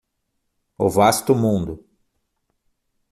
O vasto mundo